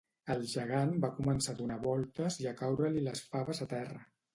El gegant va començar a donar voltes i a caure-li les faves a terra